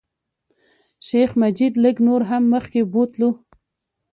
شیخ مجید لږ نور هم مخکې بوتلو.